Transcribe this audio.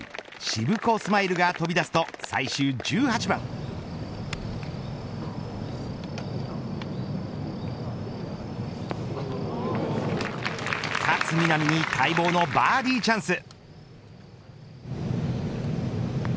シブコスマイルが飛び出すと最終１８番勝みなみに待望のバーディーチャンス。